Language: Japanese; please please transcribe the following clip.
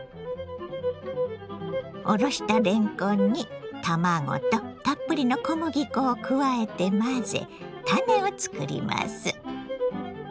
おろしたれんこんに卵とたっぷりの小麦粉を加えて混ぜたねをつくります。